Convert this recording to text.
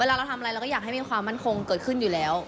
เราทำอะไรเราก็อยากให้มีความมั่นคงเกิดขึ้นอยู่แล้ว